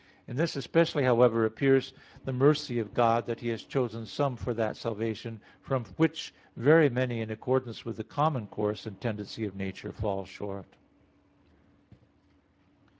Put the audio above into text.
In this especially, however, appears the mercy of God, that He has chosen some for that salvation, from which very many in accordance with the common course and tendency of nature fall short.